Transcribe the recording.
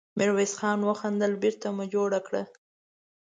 ميرويس خان وخندل: بېرته مو جوړه کړه!